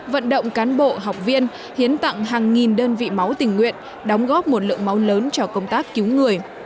vận động cán bộ học viên hiến tặng hàng nghìn đơn vị máu tình nguyện đóng góp một lượng máu lớn cho công tác cứu người